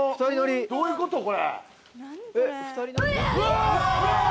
どういうこと、これ？